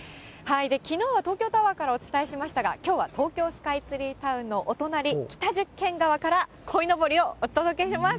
きのうは東京タワーからお伝えしましたが、きょうは東京スカイツリータウンのお隣、北十間川からこいのぼりをお届けします。